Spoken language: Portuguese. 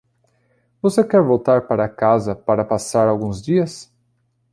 Você quer voltar para casa para passar alguns dias?